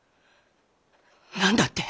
何だって？